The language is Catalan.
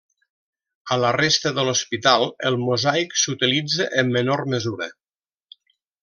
A la resta de l'hospital, el mosaic s'utilitza en menor mesura.